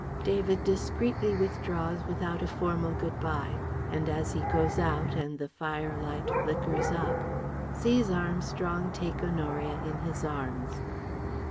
(David discreetly withdraws without a formal good bye, and as he goes out and the firelight flickers up, sees Armstrong take Honoria in his arms.)